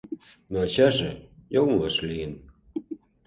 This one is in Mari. Но ачаже йоҥылыш лийын.